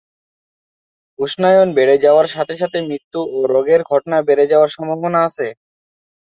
উষ্ণায়ন বেড়ে যাওয়ার সাথে সাথে মৃত্যু ও রোগের ঘটনা বেড়ে যাওয়ার সম্ভাবনা আছে।